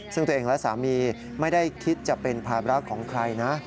ซึ่งตัวเองและสามีไม่ได้คิดจะเป็นภาระของใครนะ